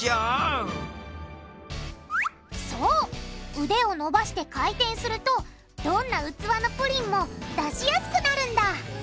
そう腕を伸ばして回転するとどんな器のプリンも出しやすくなるんだ